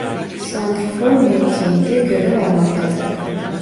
Santrfor mevkiinde görev almaktadır.